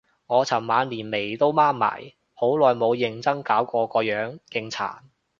我尋晚連眉都掹埋，好耐冇認真搞過個樣，勁殘